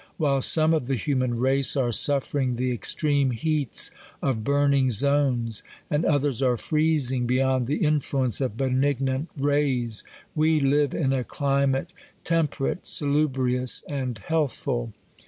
While some of the human race arc suffering the ex treme heats of burning zones, and others are freezing beyond the influence of benignant rays, we live in a climate, temperate, salubrious, and healthful.